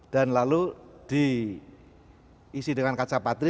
dan lalu diisi dengan kaca patri